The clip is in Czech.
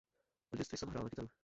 Od dětství sama hrála na kytaru.